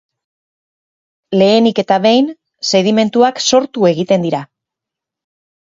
Lehenik eta behin, sedimentuak sortu egiten dira.